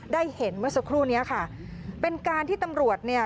ได้เห็นเมื่อสักครู่เนี้ยค่ะเป็นการที่ตำรวจเนี่ย